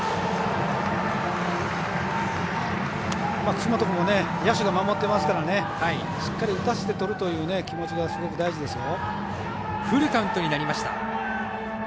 楠本君野手が守ってますからねしっかり打たせてとるという気持ちがすごく大事ですよ。